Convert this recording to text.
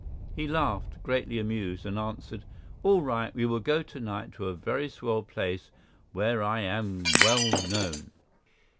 He laughed, greatly amused, and answered: "All right, we will go to night to a very swell place where I am well known."